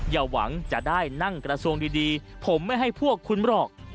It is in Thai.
อย่าหวังจะได้นั่งกระทรวงดีผมไม่ให้พวกคุณหรอก